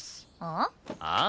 ああ？